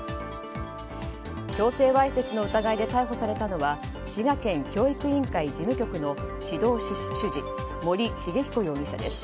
強制わいせつの疑いで逮捕されたのは滋賀県教育委員会事務局の指導主事、森滋彦容疑者です。